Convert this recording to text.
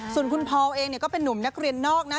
ส่วนคุณพอลเองเนี่ยก็เป็นนุ่มนักเรียนนอกนะ